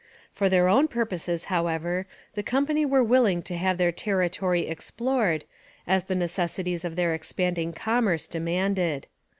For their own purposes, however, the company were willing to have their territory explored as the necessities of their expanding commerce demanded.